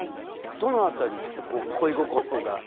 どの辺りで恋心が？